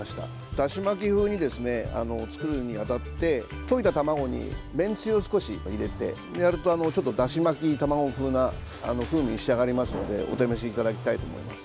だし巻き風にですね作るに当たって溶いた卵にめんつゆを少し入れてやるとちょっと、だし巻き卵風な風味に仕上がりますのでお試しいただきたいと思います。